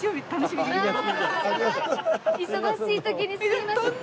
忙しい時にすいません。